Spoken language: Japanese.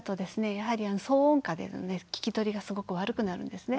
やはり騒音下での聞き取りがすごく悪くなるんですね。